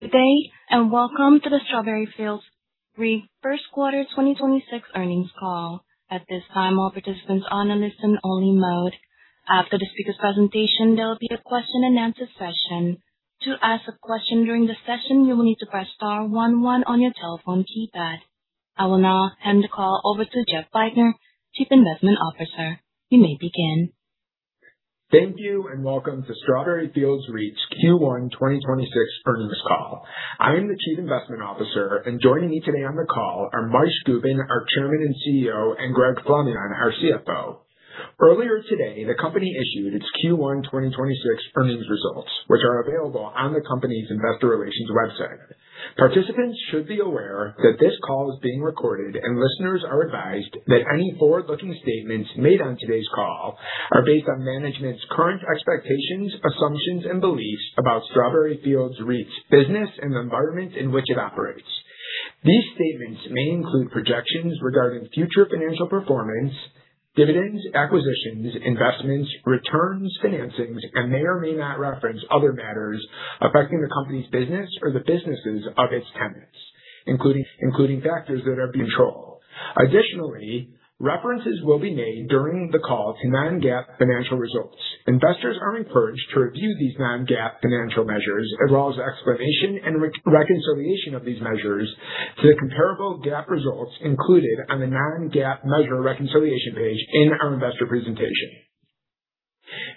Good day. Welcome to the Strawberry Fields REIT first quarter 2026 earnings call. At this time, all participants are on a listen-only mode. After the speaker's presentation, there will be a question and answer session. To ask a question during the session, you will need to press star one one on your telephone keypad. I will now hand the call over to Jeffrey Bajtner, Chief Investment Officer. You may begin. Thank you. Welcome to Strawberry Fields REIT's Q1 2026 earnings call. I am the chief investment officer. Joining me today on the call are Moishe Gubin, our chairman and CEO, and Greg Flamion, our CFO. Earlier today, the company issued its Q1 2026 earnings results, which are available on the company's investor relations website. Participants should be aware that this call is being recorded. Listeners are advised that any forward-looking statements made on today's call are based on management's current expectations, assumptions, and beliefs about Strawberry Fields REIT's business and the environment in which it operates. These statements may include projections regarding future financial performance, dividends, acquisitions, investments, returns, financings, and may or may not reference other matters affecting the company's business or the businesses of its tenants, including factors that are beyond our control. Additionally, references will be made during the call to non-GAAP financial results. Investors are encouraged to review these non-GAAP financial measures as well as the explanation and reconciliation of these measures to the comparable GAAP results included on the non-GAAP measure reconciliation page in our investor presentation.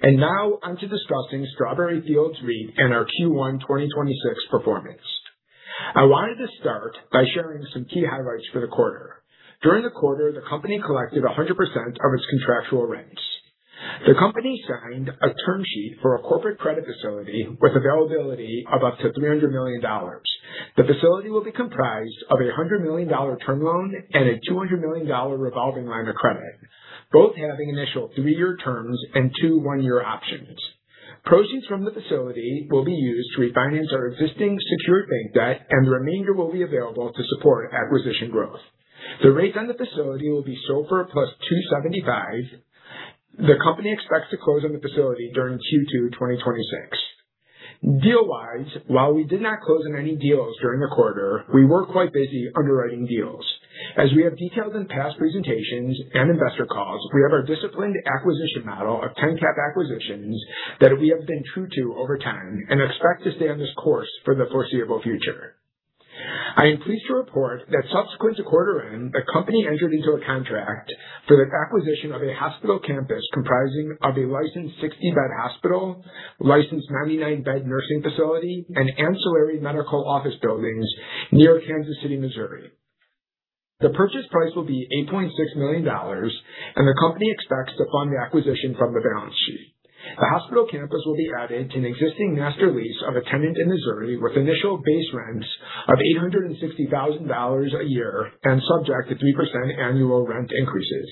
Now on to discussing Strawberry Fields REIT and our Q1 2026 performance. I wanted to start by sharing some key highlights for the quarter. During the quarter, the company collected 100% of its contractual rents. The company signed a term sheet for a corporate credit facility with availability of up to $300 million. The facility will be comprised of a $100 million term loan and a $200 million revolving line of credit, both having initial three-year terms and two one-year options. Proceeds from the facility will be used to refinance our existing secured bank debt. The remainder will be available to support acquisition growth. The rates on the facility will be SOFR plus 2.75. The company expects to close on the facility during Q2 2026. Deal-wise, while we did not close on any deals during the quarter, we were quite busy underwriting deals. As we have detailed in past presentations and investor calls, we have our disciplined acquisition model of 10-cap acquisitions that we have been true to over time and expect to stay on this course for the foreseeable future. I am pleased to report that subsequent to quarter end, the company entered into a contract for the acquisition of a hospital campus comprising of a licensed 60-bed hospital, licensed 99-bed nursing facility, and ancillary medical office buildings near Kansas City, Missouri. The purchase price will be $8.6 million. The company expects to fund the acquisition from the balance sheet. The hospital campus will be added to an existing master lease of a tenant in Missouri with initial base rents of $860,000 a year and subject to 3% annual rent increases.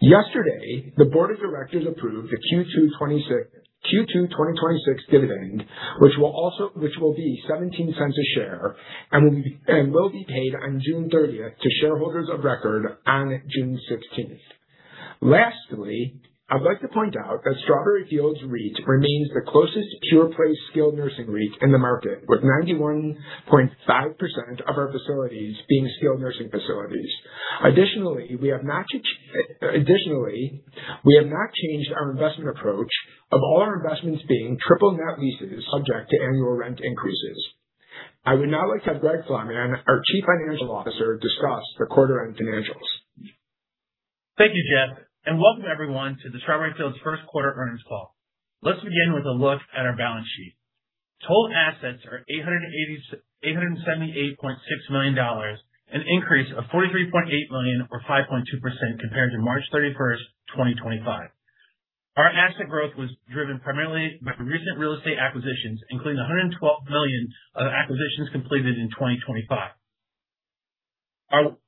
Yesterday, the board of directors approved the Q2 2026 dividend, which will be $0.17 a share and will be paid on June 30th to shareholders of record on June 16th. Lastly, I'd like to point out that Strawberry Fields REIT remains the closest pure-play skilled nursing REIT in the market, with 91.5% of our facilities being skilled nursing facilities. Additionally, we have not changed our investment approach of all our investments being triple net leases subject to annual rent increases. I would now like to have Greg Flamion, our Chief Financial Officer, discuss the quarter end financials. Thank you, Jeff, and welcome everyone to the Strawberry Fields first quarter earnings call. Let's begin with a look at our balance sheet. Total assets are $878.6 million, an increase of $43.8 million or 5.2% compared to March 31st, 2025. Our asset growth was driven primarily by recent real estate acquisitions, including the $112 million of acquisitions completed in 2025.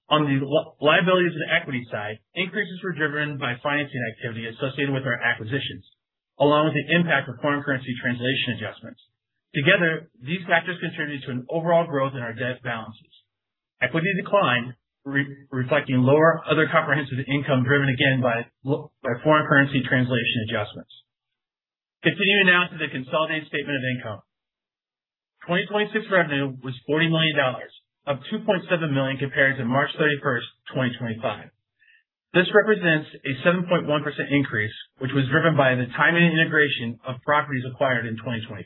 On the liabilities and equity side, increases were driven by financing activity associated with our acquisitions, along with the impact of foreign currency translation adjustments. Together, these factors contributed to an overall growth in our debt balances. Equity decline reflecting lower other comprehensive income driven again by foreign currency translation adjustments. Continuing now to the consolidated statement of income. 2026 revenue was $40 million, up $2.7 million compared to March 31st, 2025. This represents a 7.1% increase, which was driven by the timing and integration of properties acquired in 2025.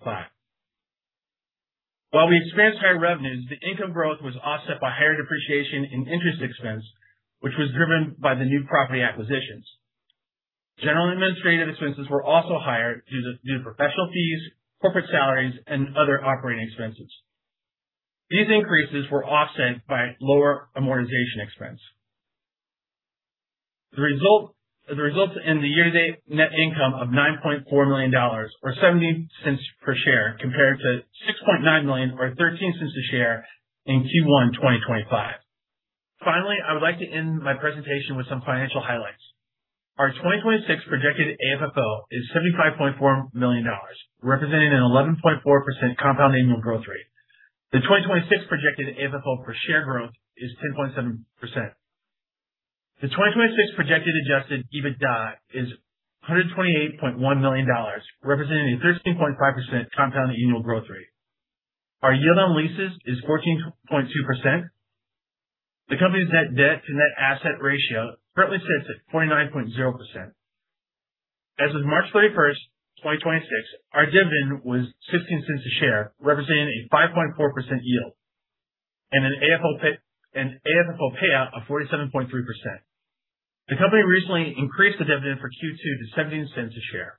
While we experienced higher revenues, the income growth was offset by higher depreciation in interest expense, which was driven by the new property acquisitions. General administrative expenses were also higher due to professional fees, corporate salaries, and other operating expenses. These increases were offset by lower amortization expense. The results in the year-to-date net income of $9.4 million or $0.17 per share compared to $6.9 million or $0.13 a share in Q1 2025. Finally, I would like to end my presentation with some financial highlights. Our 2026 projected AFFO is $75.4 million, representing an 11.4% compound annual growth rate. The 2026 projected AFFO per share growth is 10.7%. The 2026 projected adjusted EBITDA is $128.1 million, representing a 13.5% compound annual growth rate. Our yield on leases is 14.2%. The company's net debt to net asset ratio currently sits at 49.0%. As of March 31st, 2026, our dividend was $0.16 a share, representing a 5.4% yield and an AFFO payout of 47.3%. The company recently increased the dividend for Q2 to $0.17 a share.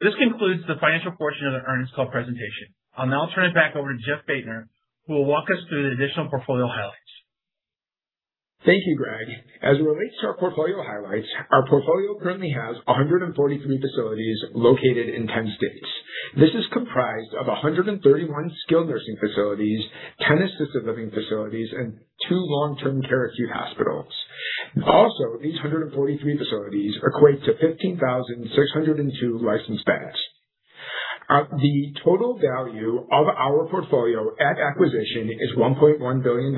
This concludes the financial portion of the earnings call presentation. I'll now turn it back over to Jeffrey Bajtner, who will walk us through the additional portfolio highlights. Thank you, Greg. As it relates to our portfolio highlights, our portfolio currently has 143 facilities located in 10 states. This is comprised of 131 skilled nursing facilities, 10 assisted living facilities, and two long-term care acute hospitals. Also, these 143 facilities equate to 15,602 licensed beds. The total value of our portfolio at acquisition is $1.1 billion.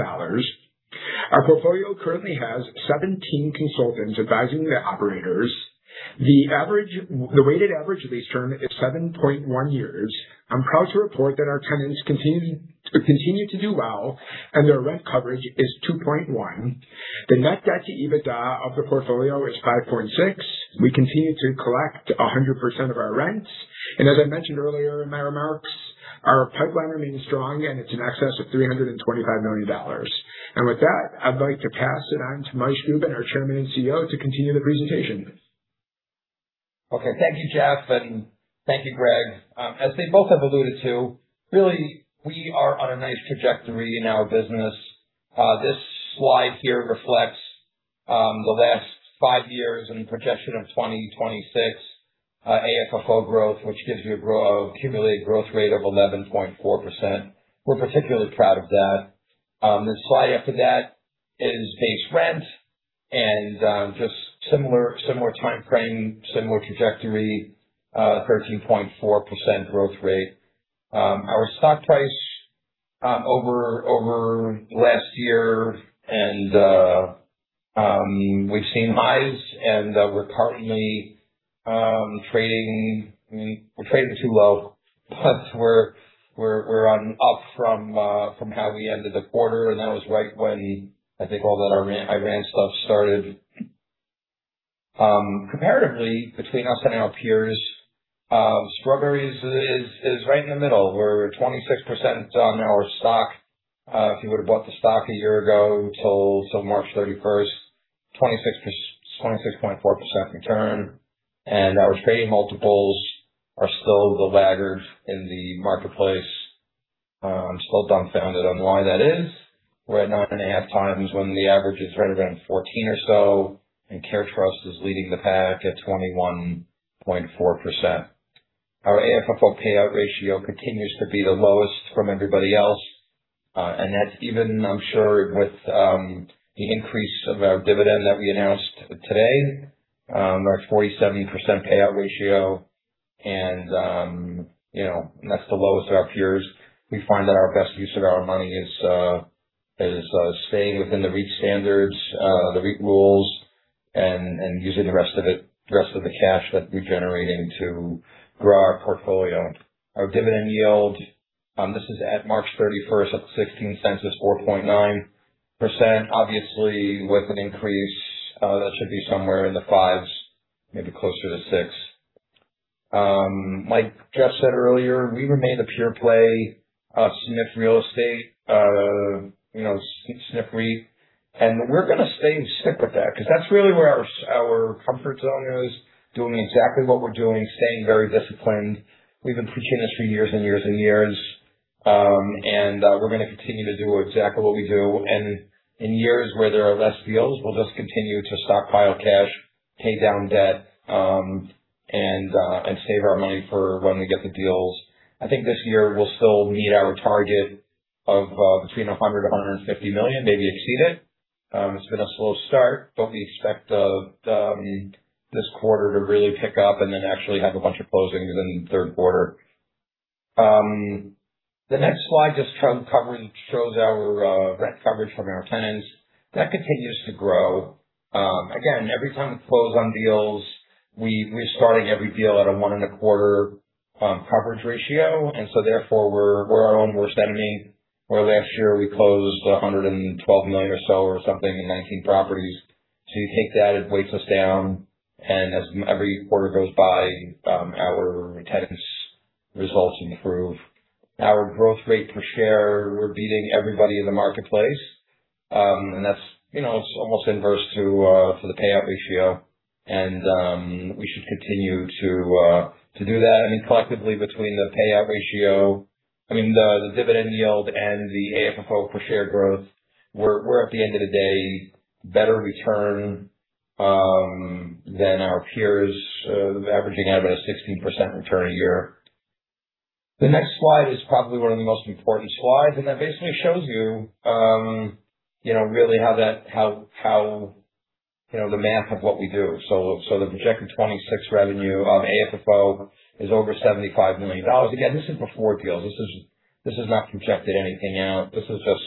Our portfolio currently has 17 consultants advising the operators. The weighted average lease term is 7.1 years. I'm proud to report that our tenants continue to do well, and their rent coverage is 2.1. The net debt to EBITDA of the portfolio is 5.6. We continue to collect 100% of our rents. As I mentioned earlier in my remarks, our pipeline remains strong, and it's in excess of $325 million. With that, I'd like to pass it on to Moishe Gubin, our Chairman and CEO, to continue the presentation. Okay. Thank you, Jeff, and thank you, Greg. As they both have alluded to, really, we are on a nice trajectory in our business. This slide here reflects the last five years and projection of 2026 AFFO growth, which gives you a cumulative growth rate of 11.4%. We're particularly proud of that. The slide after that is base rent and just similar timeframe, similar trajectory, 13.4% growth rate. Our stock price over last year, and we've seen highs, and we're currently trading too low, but we're up from how we ended the quarter, and that was right when I think all that Iran stuff started. Comparatively, between us and our peers, Strawberry is right in the middle. We're 26% on our stock. If you would've bought the stock a year ago till March 31st, 26.4% return. Our trading multiples are still the laggard in the marketplace. I'm still dumbfounded on why that is. We're at nine and a half times when the average is right around 14 or so, and CareTrust is leading the pack at 21.4%. Our AFFO payout ratio continues to be the lowest from everybody else. That's even, I'm sure, with the increase of our dividend that we announced today, our 47% payout ratio, and that's the lowest of our peers. We find that our best use of our money is staying within the REIT standards, the REIT rules, and using the rest of the cash that we're generating to grow our portfolio. Our dividend yield, this is at March 31st, at $0.16, is 4.9%. Obviously, with an increase, that should be somewhere in the fives, maybe closer to six. Like Jeff said earlier, we remain a pure play SNF real estate, SNF REIT, and we're gonna stay strict with that, because that's really where our comfort zone is, doing exactly what we're doing, staying very disciplined. We've been preaching this for years and years and years. We're gonna continue to do exactly what we do. In years where there are less deals, we'll just continue to stockpile cash, pay down debt, and save our money for when we get the deals. I think this year we'll still meet our target of between $100 million-$150 million, maybe exceed it. It's been a slow start, but we expect this quarter to really pick up and then actually have a bunch of closings in the third quarter. The next slide just shows our rent coverage from our tenants. That continues to grow. Every time we close on deals, we're starting every deal at a one and a quarter coverage ratio. Therefore, we're our own worst enemy, where last year we closed $112 million or so or something in 19 properties. You take that, it weighs us down, and as every quarter goes by, our tenants' results improve. Our growth rate per share, we're beating everybody in the marketplace. That's almost inverse for the payout ratio. We should continue to do that. Collectively, between the payout ratio, I mean, the dividend yield and the AFFO per share growth, we're at the end of the day, better return than our peers, averaging out about a 16% return a year. The next slide is probably one of the most important slides, that basically shows you really how you know the math of what we do. The projected 2026 revenue, AFFO is over $75 million. Again, this is before deals. This has not projected anything out. This is just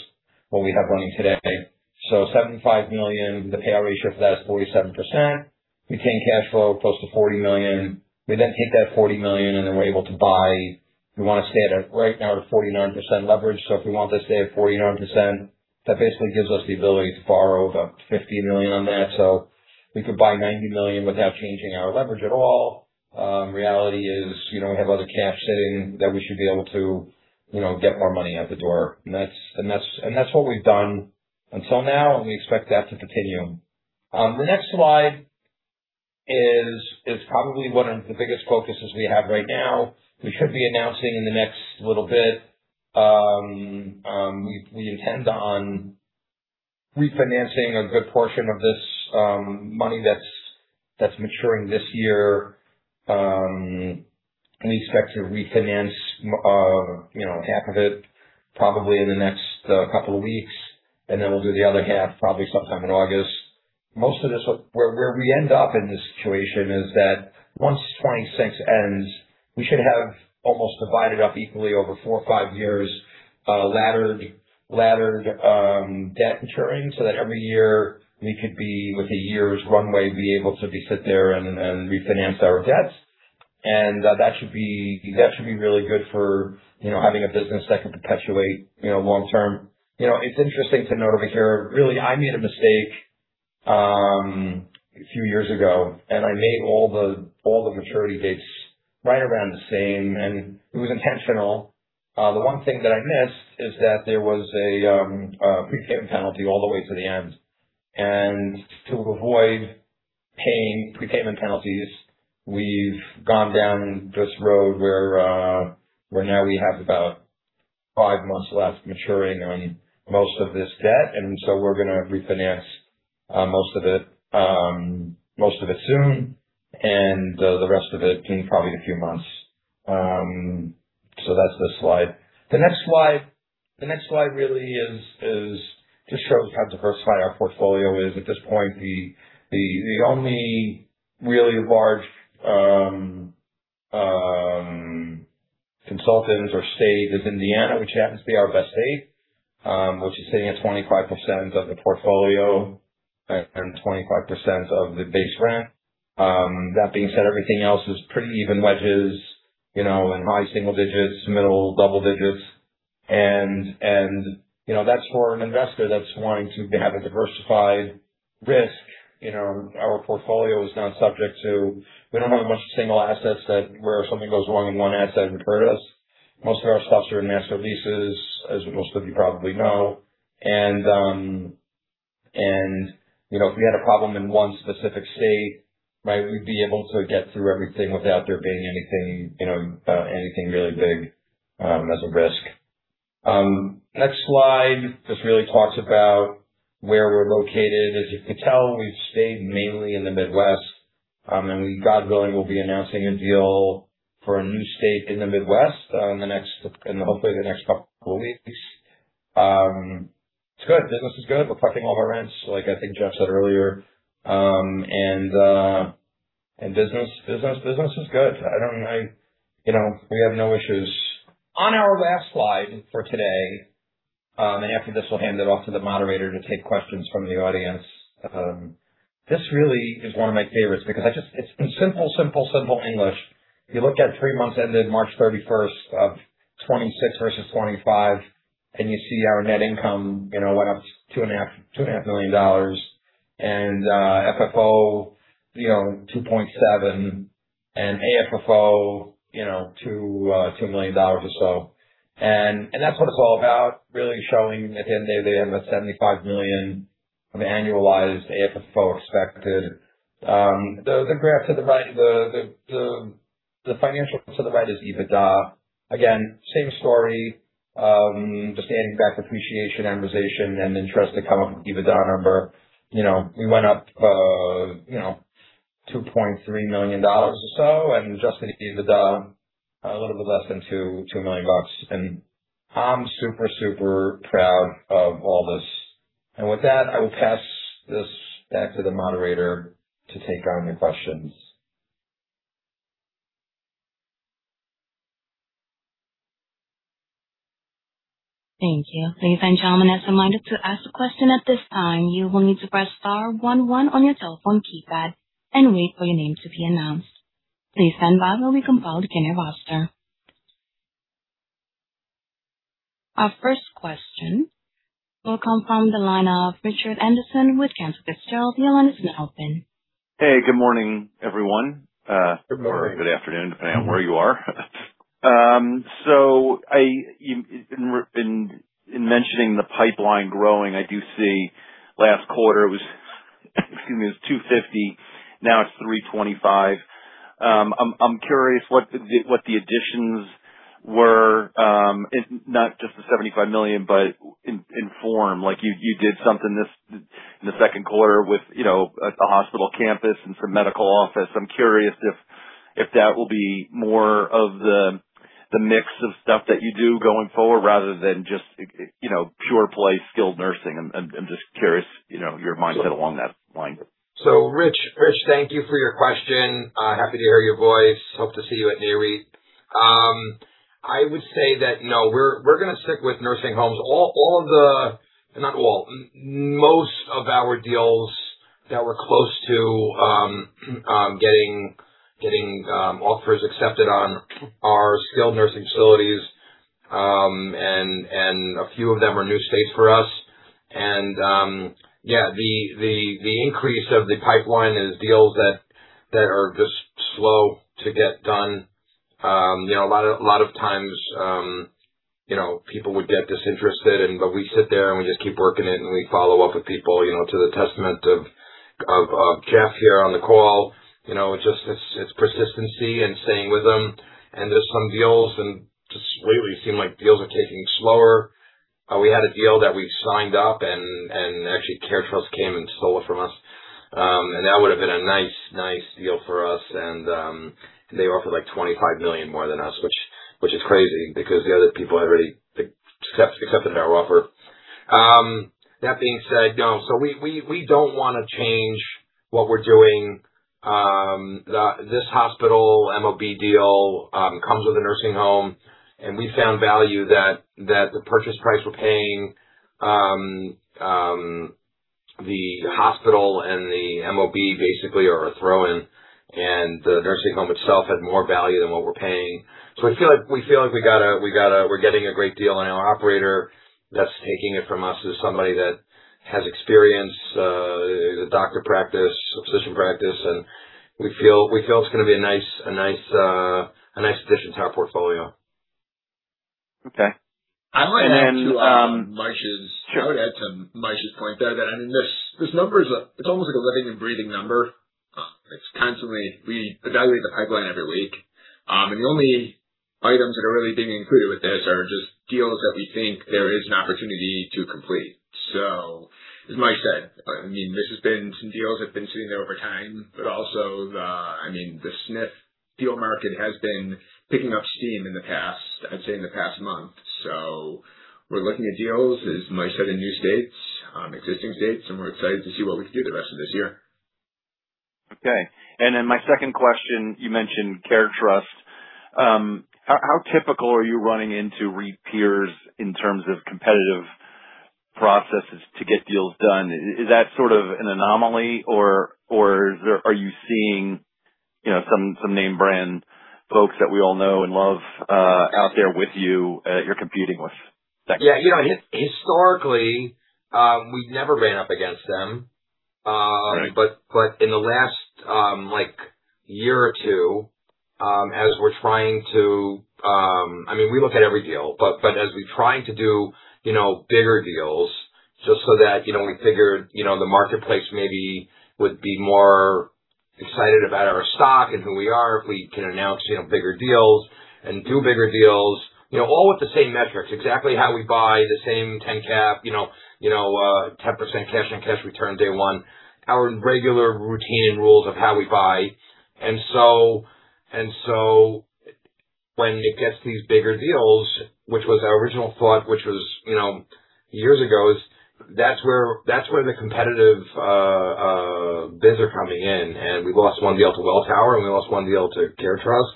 what we have running today. $75 million, the payout ratio for that is 47%. We retain cash flow close to $40 million. We take that $40 million and we're able to buy. Right now we're at 49% leverage. If we want to stay at 49%, that basically gives us the ability to borrow about $50 million on that. We could buy $90 million without changing our leverage at all. Reality is, we have other cash sitting that we should be able to get more money out the door. That's what we've done until now, and we expect that to continue. The next slide is probably one of the biggest focuses we have right now. We should be announcing in the next little bit. We intend on refinancing a good portion of this money that's maturing this year. We expect to refinance half of it probably in the next couple of weeks, we'll do the other half probably sometime in August. Where we end up in this situation is that once 2026 ends, we should have almost divided up equally over 4 or 5 years, a laddered debt maturing, so that every year we could be, with a year's runway, be able to sit there and refinance our debts. That should be really good for having a business that can perpetuate long term. It's interesting to note over here, really, I made a mistake a few years ago, I made all the maturity dates right around the same, it was intentional. The one thing that I missed is that there was a prepayment penalty all the way to the end. To avoid paying prepayment penalties, we've gone down this road where now we have about five months left maturing on most of this debt, we're going to refinance most of it soon and the rest of it in probably a few months. That's this slide. The next slide really just shows how diversified our portfolio is at this point. The only really large consultants or state is Indiana, which happens to be our best state, which is sitting at 25% of the portfolio and 25% of the base rent. That being said, everything else is pretty even wedges, in high single digits, middle, double digits. That's for an investor that's wanting to have a diversified risk. We don't have a bunch of single assets that where if something goes wrong in one asset, it would hurt us. Most of our stuff is in master leases, as most of you probably know. If we had a problem in one specific state, we'd be able to get through everything without there being anything really big as a risk. Next slide. This really talks about where we're located. As you can tell, we've stayed mainly in the Midwest, and we, God willing, will be announcing a deal for a new state in the Midwest in hopefully the next couple weeks. It's good. Business is good. We're collecting all our rents, like I think Jeff said earlier. Business is good. We have no issues. On our last slide for today, after this we'll hand it off to the moderator to take questions from the audience. This really is one of my favorites because it's in simple English. If you look at three months ended March 31st, 2026 versus 2025, you see our net income, went up $2.5 million. FFO, $2.7 million, AFFO, $2 million or so. That's what it's all about, really showing at the end of the day, the $75 million of annualized AFFO expected. The graph to the right, the financials to the right is EBITDA. Again, same story. Just adding back depreciation, amortization, and interest to come up with the EBITDA number. We went up $2.3 million or so and adjusted EBITDA a little bit less than $2 million. I'm super proud of all this. With that, I will pass this back to the moderator to take our new questions. Thank you. Ladies and gentlemen, as a reminder, to ask a question at this time, you will need to press star 11 on your telephone keypad and wait for your name to be announced. Please stand by while we compile the attendee roster. Our first question will come from the line of Richard Anderson with Cantor Fitzgerald. Your line is now open. Hey, good morning, everyone. Good morning. In mentioning the pipeline growing, I do see last quarter it was 250, now it's 325. I'm curious what the additions were, not just the $75 million, but in form. You did something this in the second quarter with a hospital campus and some medical office. I'm curious if that will be more of the mix of stuff that you do going forward rather than just pure play skilled nursing. I'm just curious, your mindset along that line. Rich, thank you for your question. Happy to hear your voice. Hope to see you at NAREIT. I would say that no, we're going to stick with nursing homes. Most of our deals that we're close to getting offers accepted on are skilled nursing facilities, and a few of them are new states for us. Yeah, the increase of the pipeline is deals that are just slow to get done. A lot of times people would get disinterested, but we sit there and we just keep working it, and we follow up with people, to the testament of Jeff here on the call. It's persistency and staying with them, and there's some deals, and just lately it seemed like deals are taking slower. We had a deal that we signed up. Actually, CareTrust came and stole it from us, and that would've been a nice deal for us. They offered like $25 million more than us, which is crazy because the other people had already accepted our offer. That being said, no, we don't want to change what we're doing. This hospital MOB deal comes with a nursing home. We found value that the purchase price we're paying, the hospital and the MOB basically are a throw-in. The nursing home itself had more value than what we're paying. We feel like we're getting a great deal. Our operator that's taking it from us is somebody that has experience, the doctor practice, a physician practice, and we feel it's going to be a nice addition to our portfolio. Okay. And- I would add to Moish's point there that, I mean, this number is almost like a living and breathing number. We evaluate the pipeline every week. The only items that are really being included with this are just deals that we think there is an opportunity to complete. As Moish said, I mean, this has been some deals that have been sitting there over time, but also the SNF deal market has been picking up steam, I'd say, in the past month. We're looking at deals, as Moish said, in new states, existing states, and we're excited to see what we can do the rest of this year. Okay. My second question, you mentioned CareTrust. How typical are you running into REIT peers in terms of competitive processes to get deals done? Is that sort of an anomaly, or are you seeing some name brand folks that we all know and love out there with you're competing with? Thanks. Yeah. Historically, we've never ran up against them. Right. In the last year or two, as we're trying to I mean, we look at every deal, but as we try to do bigger deals, just so that we figured the marketplace maybe would be more excited about our stock and who we are if we can announce bigger deals and do bigger deals. All with the same metrics, exactly how we buy, the same 10 cap, 10% cash and cash return day one. Our regular routine and rules of how we buy. When it gets these bigger deals, which was our original thought, which was years ago, is that's where the competitive bids are coming in, and we lost one deal to Welltower, and we lost one deal to CareTrust.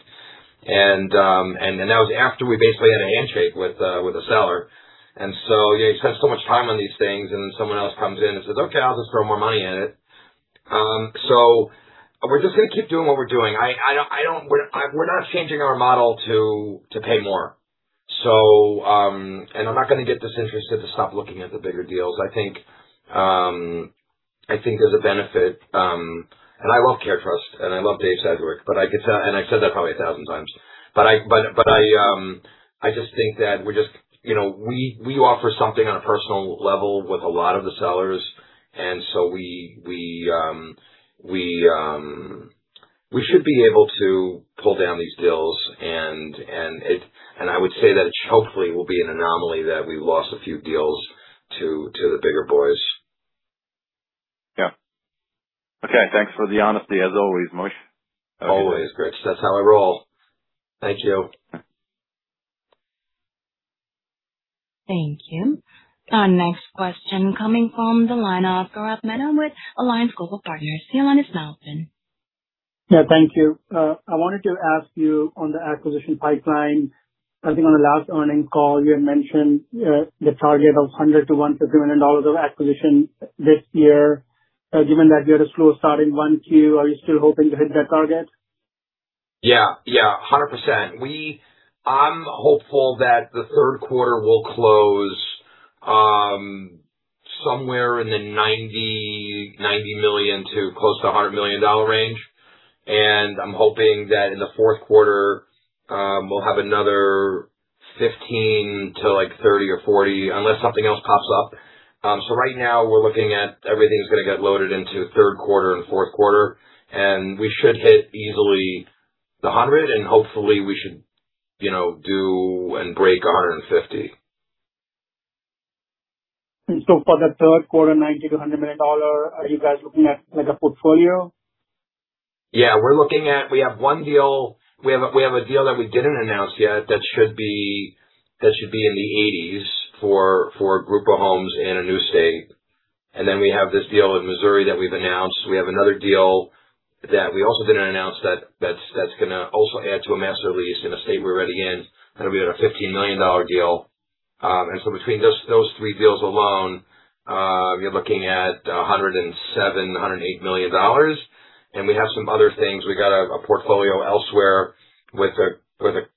That was after we basically had a handshake with the seller. You spend so much time on these things, and then someone else comes in and says, "Okay, I'll just throw more money at it." We're just going to keep doing what we're doing. We're not changing our model to pay more. I'm not going to get disinterested to stop looking at the bigger deals. I think there's a benefit. I love CareTrust, and I love Dave Sedgwick, and I've said that probably 1,000 times. I just think that we offer something on a personal level with a lot of the sellers. We should be able to pull down these deals, and I would say that it hopefully will be an anomaly that we lost a few deals to the bigger boys. Yeah. Okay. Thanks for the honesty as always, Moish. Always, Rich. That's how I roll. Thank you. Thank you. Our next question coming from the line of Gaurav Mehta with Alliance Global Partners. Your line is now open. Yeah, thank you. I wanted to ask you on the acquisition pipeline, I think on the last earnings call, you had mentioned the target of $100 million-$150 million of acquisition this year. Given that you had a slow start in Q1, are you still hoping to hit that target? Yeah. 100%. I'm hopeful that the third quarter will close somewhere in the $90 million to close to $100 million range. I'm hoping that in the fourth quarter, we'll have another $15 million to $30 million or $40 million, unless something else pops up. Right now we're looking at everything's gonna get loaded into third quarter and fourth quarter, and we should hit easily the $100 million, and hopefully we should do and break $150 million. For the third quarter, $90 million-$100 million, are you guys looking at a portfolio? Yeah, we have a deal that we didn't announce yet that should be in the 80s for a group of homes in a new state. We have this deal in Missouri that we've announced. We have another deal that we also didn't announce that's going to also add to a master lease in a state we're already in. We had a $15 million deal. Between those three deals alone, you're looking at $107 million-$108 million. We have some other things. We got a portfolio elsewhere with a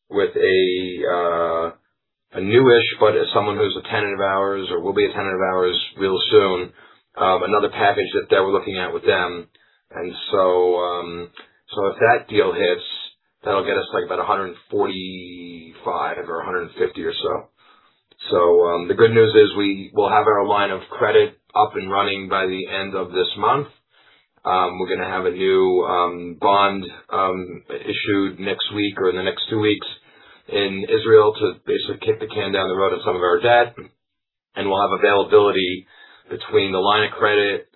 new-ish, but someone who's a tenant of ours or will be a tenant of ours real soon. Another package that we're looking at with them. If that deal hits, that'll get us to about $145 or $150 or so. The good news is we will have our line of credit up and running by the end of this month. We're going to have a new bond issued next week or in the next two weeks in Israel to basically kick the can down the road on some of our debt. We'll have availability between the line of credit,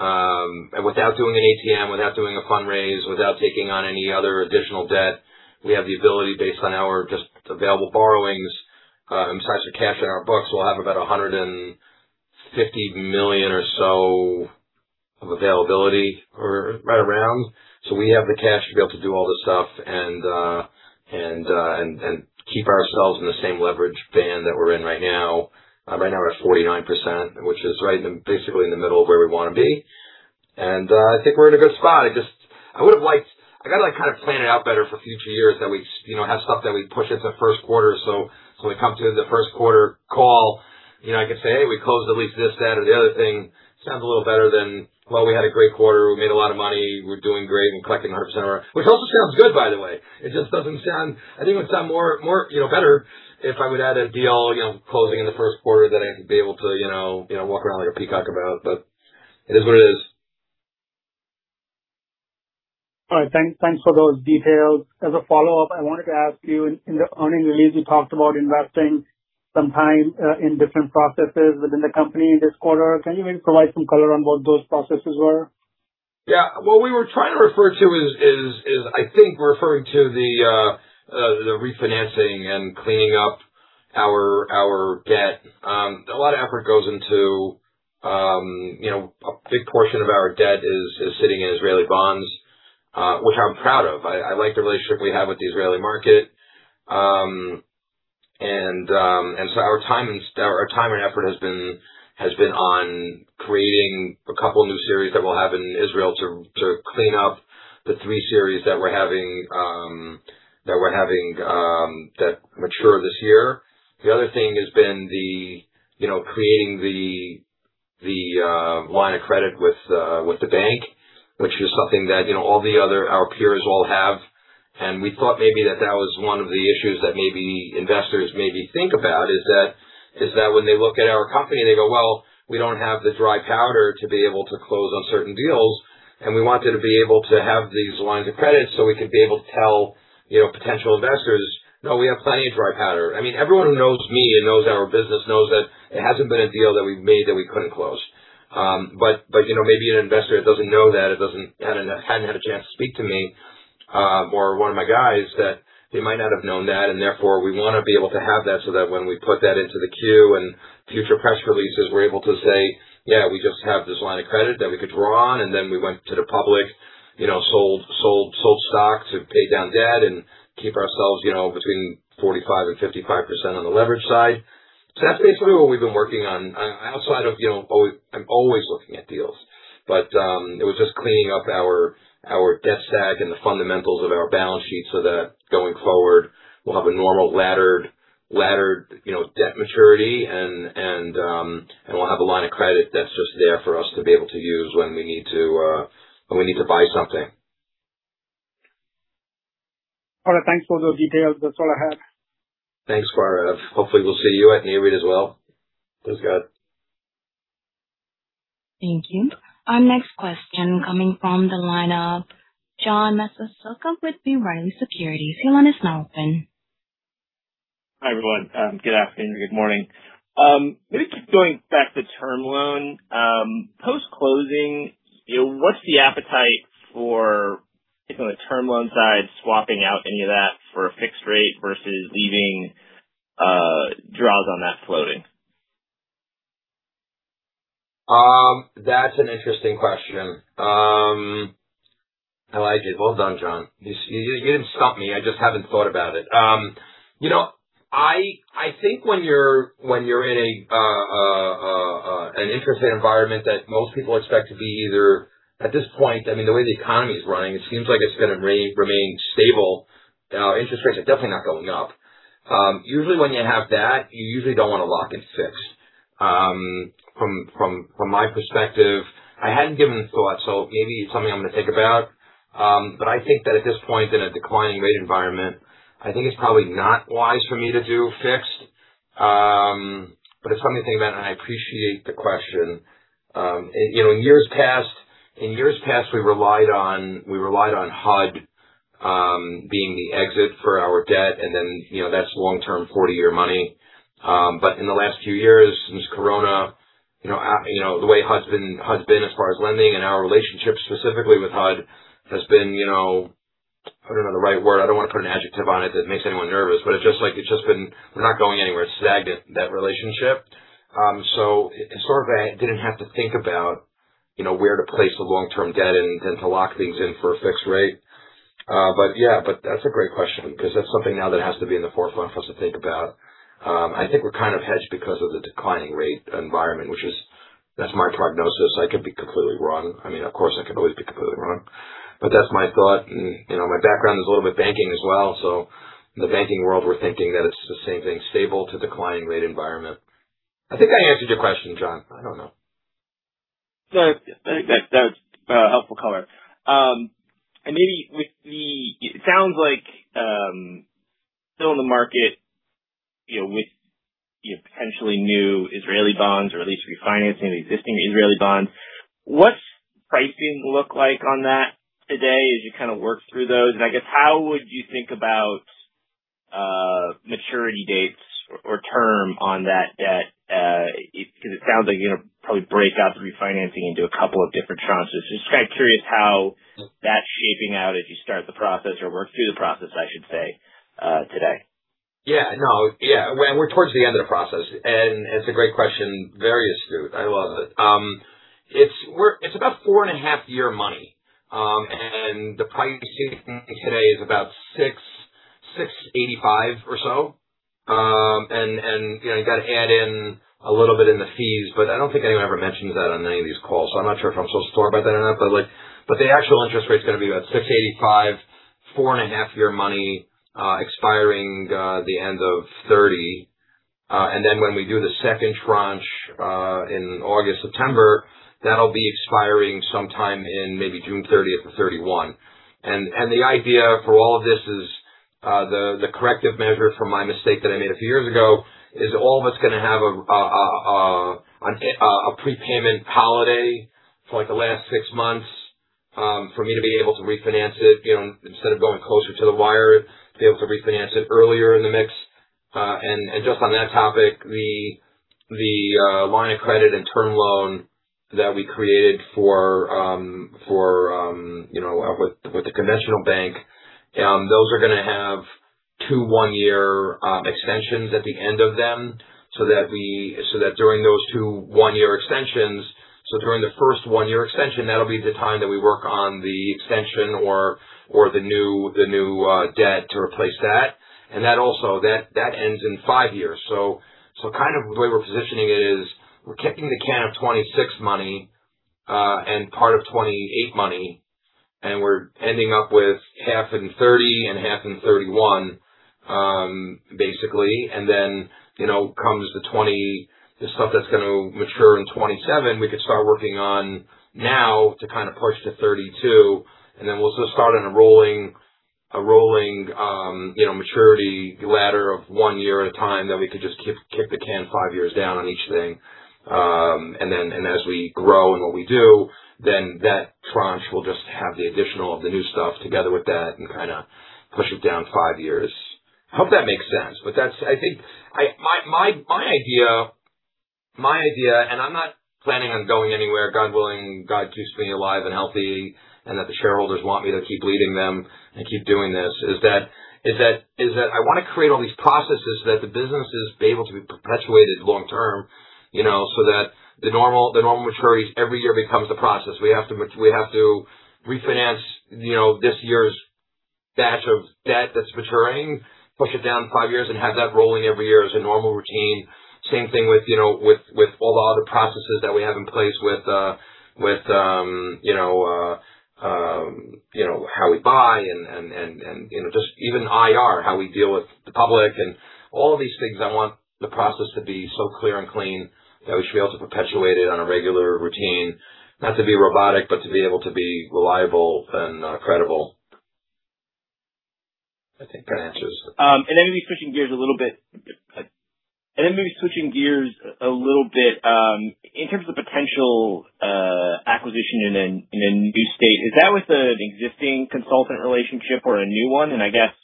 and without doing an ATM, without doing a fund raise, without taking on any other additional debt, we have the ability, based on our just available borrowings, in terms of cash in our books, we'll have about $150 million or so of availability or right around. We have the cash to be able to do all this stuff and keep ourselves in the same leverage band that we're in right now. Right now we're at 49%, which is right basically in the middle of where we want to be. I think we're in a good spot. I got to kind of plan it out better for future years that we have stuff that we push into first quarter. When we come to the first quarter call, I can say, "Hey, we closed at least this, that, or the other thing." Sounds a little better than, "Well, we had a great quarter. We made a lot of money. We're doing great. We're collecting 100%," which also sounds good, by the way. I think it would sound better if I would add a deal closing in the first quarter that I could be able to walk around like a peacock about it, but it is what it is. All right. Thanks for those details. As a follow-up, I wanted to ask you, in the earnings release, you talked about investing some time in different processes within the company this quarter. Can you maybe provide some color on what those processes were? Yeah. What we were trying to refer to is, I think we're referring to the refinancing and cleaning up our debt. A big portion of our debt is sitting in Israeli bonds, which I'm proud of. I like the relationship we have with the Israeli market. Our time and effort has been on creating a couple of new series that we'll have in Israel to clean up the three series that we're having that mature this year. The other thing has been creating the line of credit with the bank, which is something that our peers all have. We thought maybe that that was one of the issues that investors maybe think about, is that when they look at our company, they go, "Well, we don't have the dry powder to be able to close on certain deals." We wanted to be able to have these lines of credit so we could be able to tell potential investors, "No, we have plenty of dry powder." Everyone who knows me and knows our business knows that it hasn't been a deal that we've made that we couldn't close. Maybe an investor that doesn't know that or hadn't had a chance to speak to me, or one of my guys, that they might not have known that. Therefore, we want to be able to have that so that when we put that into the queue and future press releases, we're able to say, "Yeah, we just have this line of credit that we could draw on." We went to the public, sold stock to pay down debt and keep ourselves between 45%-55% on the leverage side. That's basically what we've been working on outside of, I'm always looking at deals. It was just cleaning up our debt stack and the fundamentals of our balance sheet so that going forward, we'll have a normal laddered debt maturity, and we'll have a line of credit that's just there for us to be able to use when we need to buy something. All right. Thanks for those details. That's all I have. Thanks, Gaurav. Hopefully we'll see you at NAREIT as well. Thanks, guys. Thank you. Our next question coming from the line of John Massocca with B. Riley Securities. Your line is now open. Hi, everyone. Good afternoon. Good morning. Keep going back to term loan. Post-closing, what's the appetite for, sticking on the term loan side, swapping out any of that for a fixed rate versus leaving draws on that floating? That's an interesting question. Elijah. Well done, John. You didn't stump me. I just haven't thought about it. I think when you're in an interest rate environment that most people expect to be either At this point, the way the economy is running, it seems like it's going to remain stable. Interest rates are definitely not going up. Usually when you have that, you usually don't want to lock in fixed. From my perspective, I hadn't given thought, so maybe it's something I'm going to think about. I think that at this point, in a declining rate environment, I think it's probably not wise for me to do fixed. It's something to think about, and I appreciate the question. In years past, we relied on HUD being the exit for our debt, and then that's long-term 40-year money. In the last few years, since COVID-19, the way HUD's been as far as lending and our relationship specifically with HUD has been, I don't know the right word. I don't want to put an adjective on it that makes anyone nervous, but it's just like we're not going anywhere. It's stagnant, that relationship. It's sort of I didn't have to think about where to place the long-term debt and then to lock things in for a fixed rate. That's a great question because that's something now that has to be in the forefront for us to think about. I think we're kind of hedged because of the declining rate environment, which is, that's my prognosis. I could be completely wrong. I mean, of course, I could always be completely wrong. That's my thought, and my background is a little bit banking as well. In the banking world, we're thinking that it's the same thing, stable to declining rate environment. I think I answered your question, John. I don't know. That's helpful color. It sounds like still in the market, with potentially new Israeli bonds or at least refinancing the existing Israeli bonds. What's pricing look like on that today as you work through those? I guess how would you think about maturity dates or term on that debt? Because it sounds like you're going to probably break up the refinancing into a couple of different tranches. Just curious how that's shaping out as you start the process or work through the process, I should say, today. Yeah. We're towards the end of the process, it's a great question. Very astute. I love it. It's about four-and-a-half-year money. The pricing today is about 685 or so. You got to add in a little bit in the fees, I don't think anyone ever mentions that on any of these calls, so I'm not sure if I'm supposed to talk about that or not. The actual interest rate is going to be about 685, four-and-a-half-year money expiring the end of 2030. Then when we do the second tranche in August, September, that'll be expiring sometime in maybe June 30th or 31. The idea for all of this is the corrective measure for my mistake that I made a few years ago is all of it's going to have a prepayment holiday for the last 6 months for me to be able to refinance it, instead of going closer to the wire, to be able to refinance it earlier in the mix. Just on that topic, the line of credit and term loan that we created with the conventional bank, those are going to have two one-year extensions at the end of them, so that during those two one-year extensions, so during the first one-year extension, that'll be the time that we work on the extension or the new debt to replace that. That also ends in 5 years. The way we're positioning it is we're kicking the can of 2026 money and part of 2028 money, and we're ending up with half in 2030 and half in 2031, basically. Comes the stuff that's going to mature in 2027, we could start working on now to approach the 2032. We'll just start on a rolling maturity ladder of one year at a time that we could just kick the can 5 years down on each thing. As we grow in what we do, then that tranche will just have the additional of the new stuff together with that and kind of push it down 5 years. I hope that makes sense. My idea, and I'm not planning on going anywhere, God willing, God keeps me alive and healthy, and that the shareholders want me to keep leading them and keep doing this, is that I want to create all these processes that the business is able to be perpetuated long term, so that the normal maturities every year becomes a process. We have to refinance this year's batch of debt that's maturing, push it down 5 years, and have that rolling every year as a normal routine. Same thing with all the other processes that we have in place with how we buy, and just even IR, how we deal with the public and all of these things. I want the process to be so clear and clean that we should be able to perpetuate it on a regular routine. Not to be robotic, but to be able to be reliable and credible. I think that answers. Maybe switching gears a little bit. In terms of potential acquisition in a new state, is that with an existing consultant relationship or a new one? I guess,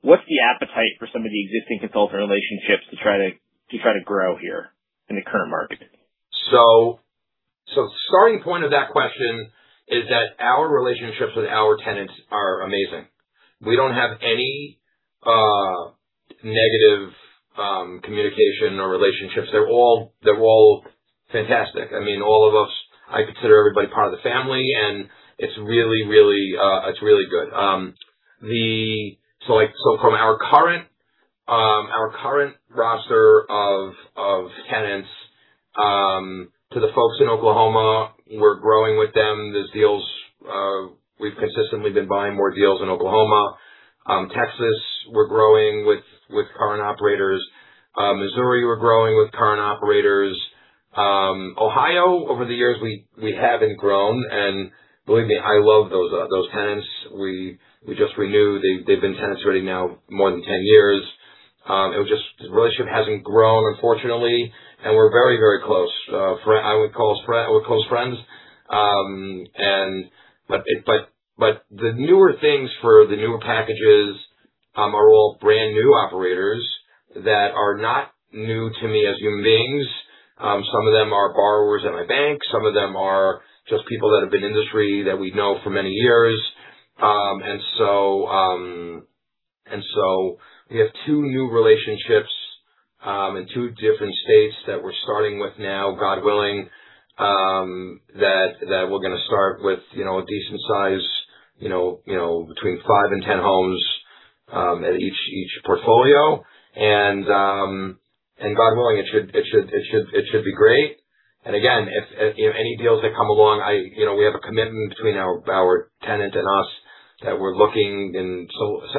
what's the appetite for some of the existing consultant relationships to try to grow here in the current market? Starting point of that question is that our relationships with our tenants are amazing. We don't have any negative communication or relationships. They're all fantastic. I mean, all of us, I consider everybody part of the family, and it's really good. From our current roster of tenants, to the folks in Oklahoma, we're growing with them. We've consistently been buying more deals in Oklahoma. Texas, we're growing with current operators. Missouri, we're growing with current operators. Ohio, over the years, we haven't grown. Believe me, I love those tenants. We just renewed. They've been tenants already now more than 10 years. It was just the relationship hasn't grown, unfortunately, and we're very, very close. I would call us close friends. The newer things for the newer packages, are all brand new operators that are not new to me as human beings. Some of them are borrowers at my bank. Some of them are just people that have been industry that we've known for many years. We have two new relationships, in two different states that we're starting with now, God willing, that we're going to start with a decent size, between five and 10 homes, at each portfolio. God willing, it should be great. Again, if any deals that come along, we have a commitment between our tenant and us that we're looking.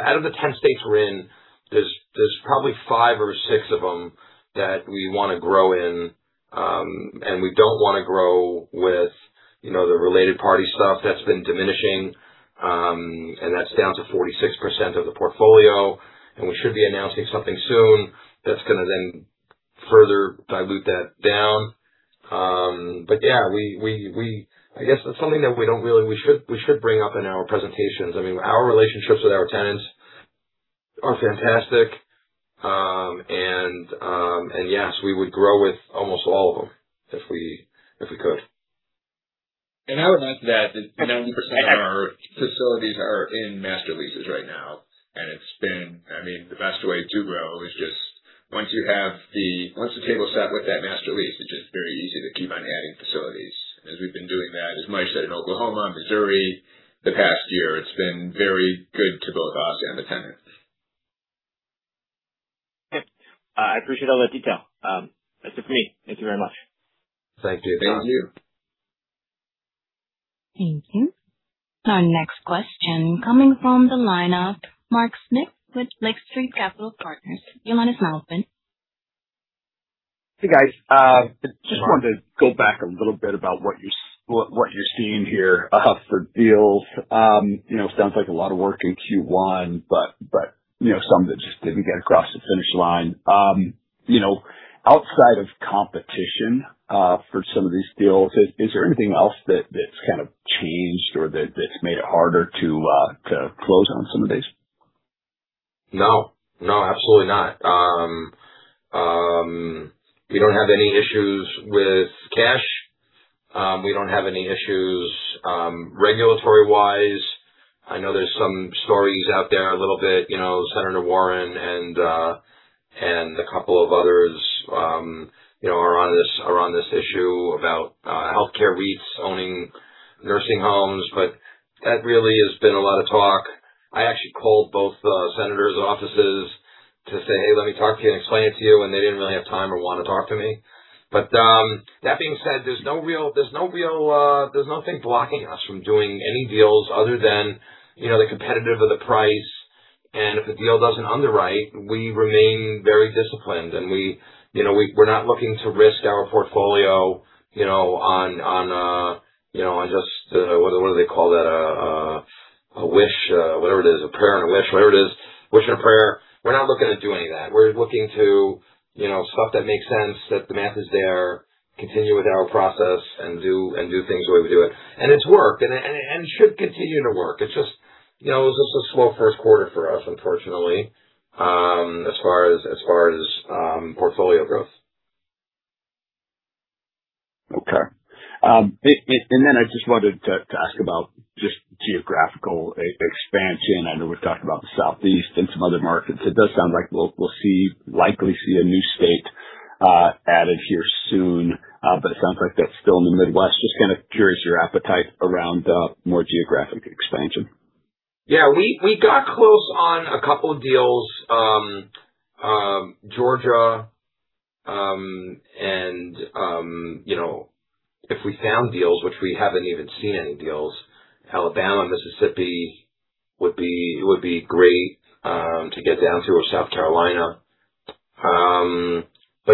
Out of the 10 states we're in, there's probably five or six of them that we want to grow in. We don't want to grow with the related party stuff. That's been diminishing, and that's down to 46% of the portfolio, and we should be announcing something soon that's going to then further dilute that down. Yeah, I guess that's something that we should bring up in our presentations. Our relationships with our tenants are fantastic. Yes, we would grow with almost all of them if we could. I would add to that, 90% of our facilities are in master leases right now. The best way to grow is just once the table's set with that master lease, it's just very easy to keep on adding facilities. As we've been doing that, as Moishe said, in Oklahoma, Missouri the past year, it's been very good to both us and the tenant. Okay. I appreciate all that detail. That's it for me. Thank you very much. Thank you, John. Thank you. Thank you. Our next question coming from the line of Mark Smith with Lake Street Capital Markets. Your line is now open. Hey, guys. Mark. Just wanted to go back a little bit about what you're seeing here for deals. Sounds like a lot of work in Q1, but some that just didn't get across the finish line. Outside of competition, for some of these deals, is there anything else that's kind of changed or that's made it harder to close on some of these? No, absolutely not. We don't have any issues with cash. We don't have any issues regulatory-wise. I know there's some stories out there a little bit, Elizabeth Warren and a couple of others, are on this issue about healthcare REITs owning nursing homes, but that really has been a lot of talk. I actually called both senators' offices to say, "Hey, let me talk to you and explain it to you." They didn't really have time or want to talk to me. That being said, there's nothing blocking us from doing any deals other than the competitive of the price, and if the deal doesn't underwrite, we remain very disciplined. We're not looking to risk our portfolio on just, what do they call that? A wish, whatever it is, a prayer and a wish, whatever it is, wish and a prayer. We're not looking at doing that. We're looking to stuff that makes sense, that the math is there, continue with our process and do things the way we do it. It's worked and should continue to work. It's just a slow first quarter for us, unfortunately, as far as portfolio growth. Okay. I just wanted to ask about just geographical expansion. I know we've talked about the Southeast and some other markets. It does sound like we'll likely see a new state added here soon. It sounds like that's still in the Midwest. Just kind of curious your appetite around more geographic expansion. Yeah, we got close on a couple deals. Georgia, and if we found deals, which we haven't even seen any deals, Alabama and Mississippi would be great to get down to, or South Carolina.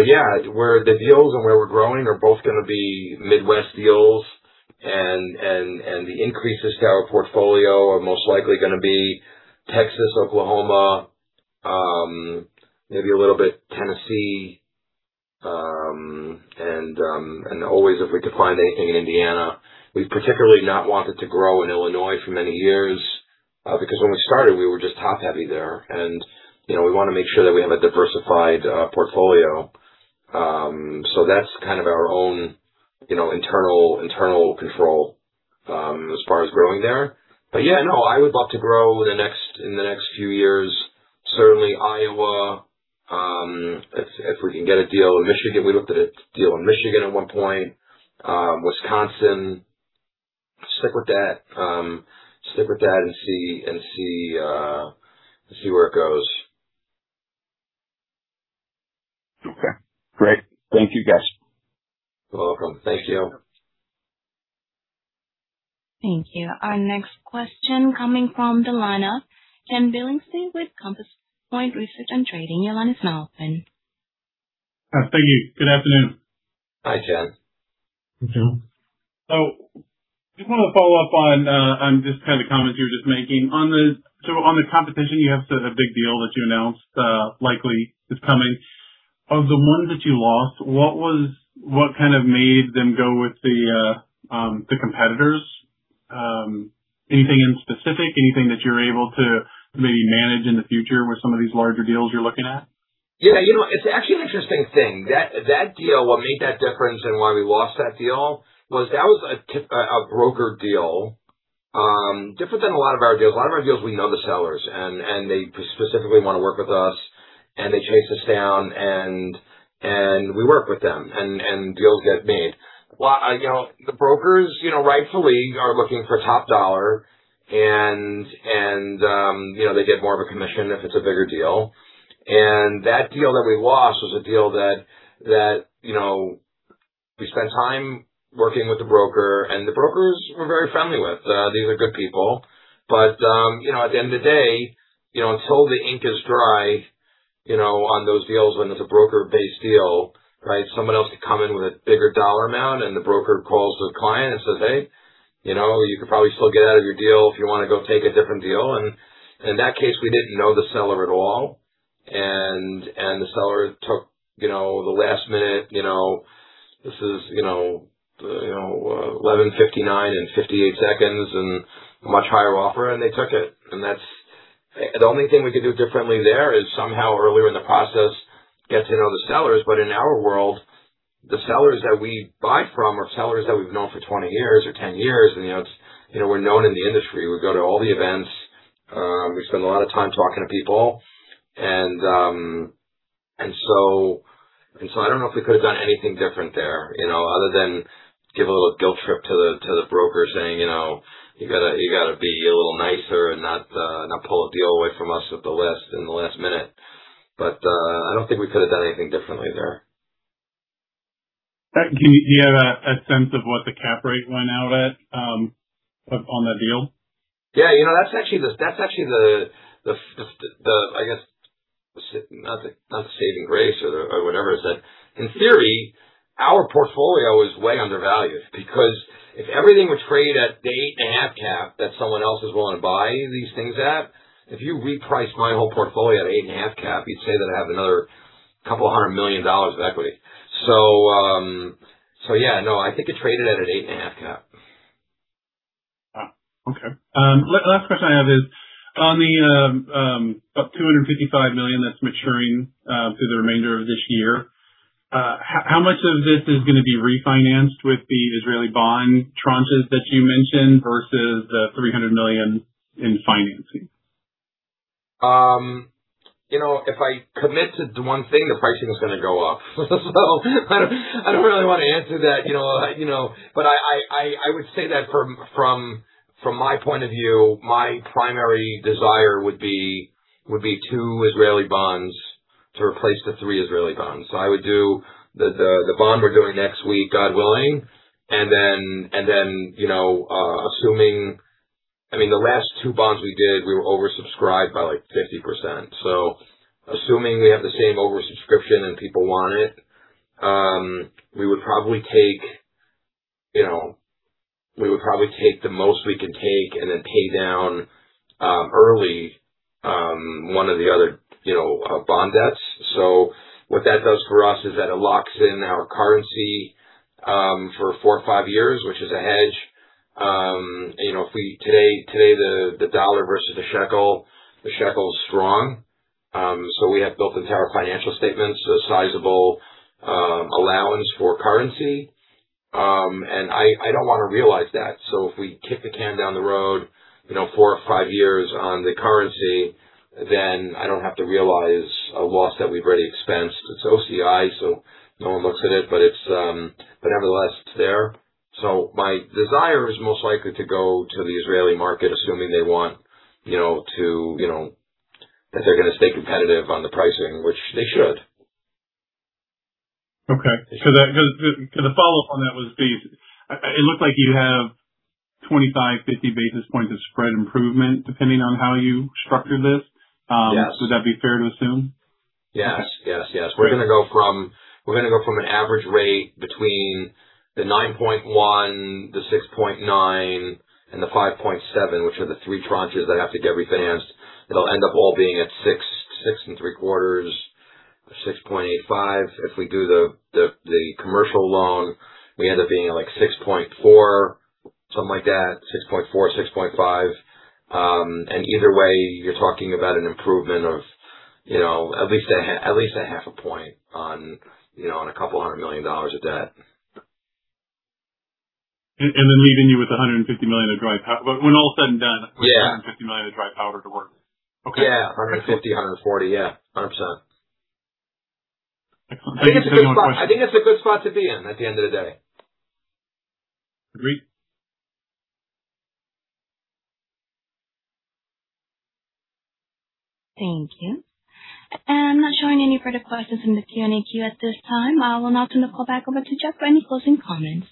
Yeah, where the deals and where we're growing are both gonna be Midwest deals and the increases to our portfolio are most likely gonna be Texas, Oklahoma, maybe a little bit Tennessee, and always if we could find anything in Indiana. We've particularly not wanted to grow in Illinois for many years, because when we started, we were just top-heavy there, and we want to make sure that we have a diversified portfolio. That's kind of our own internal control, as far as growing there. Yeah, no, I would love to grow in the next few years, certainly Iowa, if we can get a deal in Michigan. We looked at a deal in Michigan at one point. Wisconsin. Stick with that and see where it goes. Okay, great. Thank you, guys. You're welcome. Thank you. Thank you. Our next question coming from the line of Ken Billingsley with Compass Point Research & Trading. Your line is now open. Thank you. Good afternoon. Hi, Ken. Hey, Ken. Just want to follow up on just kind of comments you were just making. On the competition, you have a big deal that you announced, likely is coming. Of the ones that you lost, what kind of made them go with the competitors? Anything in specific? Anything that you're able to maybe manage in the future with some of these larger deals you're looking at? Yeah. It's actually an interesting thing. That deal, what made that difference and why we lost that deal, was that was a broker deal. Different than a lot of our deals. A lot of our deals, we know the sellers, and they specifically want to work with us, and they chase us down, and we work with them, and deals get made. The brokers rightfully are looking for top dollar, and they get more of a commission if it's a bigger deal. That deal that we lost was a deal that we spent time working with the broker and the brokers we're very friendly with. These are good people. At the end of the day, until the ink is dry on those deals, when it's a broker-based deal, someone else could come in with a bigger dollar amount and the broker calls the client and says, "Hey, you could probably still get out of your deal if you want to go take a different deal." In that case, we didn't know the seller at all. The seller took the last minute, this is 11:59 and 58 seconds and a much higher offer, and they took it. The only thing we could do differently there is somehow earlier in the process, get to know the sellers. In our world, the sellers that we buy from are sellers that we've known for 20 years or 10 years, and we're known in the industry. We go to all the events. We spend a lot of time talking to people. I don't know if we could have done anything different there, other than give a little guilt trip to the broker saying, "You got to be a little nicer and not pull a deal away from us at the last minute." I don't think we could have done anything differently there. Do you have a sense of what the cap rate went out at on that deal? Yeah, that's actually the, I guess, not the saving grace or whatever is that. In theory, our portfolio is way undervalued because if everything were traded at the eight and a half cap that someone else is willing to buy these things at, if you reprice my whole portfolio at eight and a half cap, you'd say that I have another couple of hundred million dollars of equity. Yeah, no, I think it traded at an eight and a half cap. Okay. Last question I have is on the $255 million that's maturing through the remainder of this year. How much of this is going to be refinanced with the Israeli bond tranches that you mentioned versus the $300 million in financing? If I commit to one thing, the pricing is going to go up. I don't really want to answer that. I would say that from my point of view, my primary desire would be two Israeli bonds to replace the three Israeli bonds. I would do the bond we're doing next week, God willing. The last two bonds we did, we were oversubscribed by 50%. Assuming we have the same oversubscription and people want it, we would probably take the most we could take and then pay down early one of the other bond debts. What that does for us is that it locks in our currency for four or five years, which is a hedge. Today, the dollar versus the shekel, the shekel is strong. We have built into our financial statements a sizable allowance for currency. I don't want to realize that. If we kick the can down the road four or five years on the currency, then I don't have to realize a loss that we've already expensed. It's OCI, no one looks at it, but nevertheless, it's there. My desire is most likely to go to the Israeli market, assuming that they're going to stay competitive on the pricing, which they should. Okay. It looks like you have 25, 50 basis points of spread improvement depending on how you structure this. Yes. Would that be fair to assume? Yes. We're going to go from an average rate between 9.1, 6.9, and 5.7, which are the three tranches that have to get refinanced. It'll end up all being at 6.75, 6.85. If we do the commercial loan, we end up being at 6.4, something like that, 6.4, 6.5. Either way, you're talking about an improvement of at least a half a point on a couple hundred million dollars of debt. Then leaving you with $150 million of dry when all is said and done. Yeah. With $150 million of dry powder to work with. Okay. Yeah. $150, $140. Yeah, 100%. I think that's another question. I think it's a good spot to be in at the end of the day. Agreed. Thank you. I'm not showing any further questions in the Q&A queue at this time. I will now turn the call back over to Jeff for any closing comments.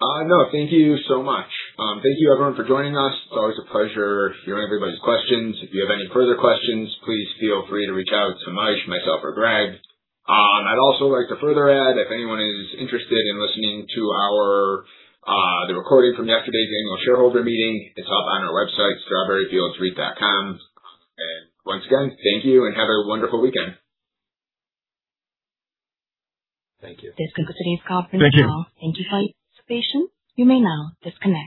Thank you so much. Thank you everyone for joining us. It's always a pleasure hearing everybody's questions. If you have any further questions, please feel free to reach out to Jeff, myself, or Greg. I'd also like to further add, if anyone is interested in listening to the recording from yesterday's annual shareholder meeting, it's up on our website, strawberryfieldsreit.com. Once again, thank you and have a wonderful weekend. Thank you. This concludes today's conference call. Thank you. Thank you for your participation. You may now disconnect.